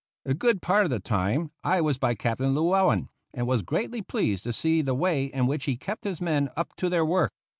A good part of the time I was by Captain Llewellen, and was greatly pleased to see the way in which he kept his men up to their work.